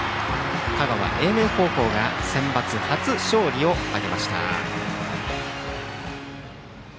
香川・英明高校がセンバツ初勝利を挙げました。